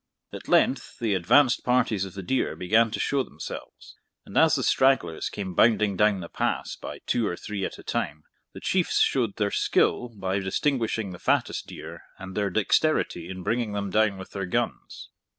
At length the advanced parties of the deer began to show themselves; and as the stragglers came bounding down the pass by two or three at a time, the Chiefs showed their skill by distinguishing the fattest deer, and their dexterity in bringing them down with their guns.